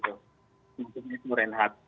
maksudnya itu renhat